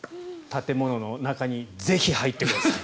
建物の中にぜひ入ってください。